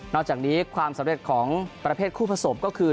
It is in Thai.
จากนี้ความสำเร็จของประเภทคู่ผสมก็คือ